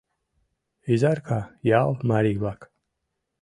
Изарка ял марий-влак!